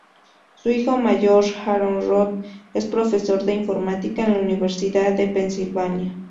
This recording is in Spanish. Su hijo mayor, Aaron Roth, es profesor de informática en la Universidad de Pensilvania.